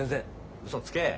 うそつけ。